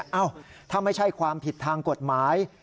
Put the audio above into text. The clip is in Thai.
เอ้าถ้าไม่ใช่ความผิดทางกฎหมาย